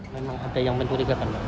memang ada yang mencurigakan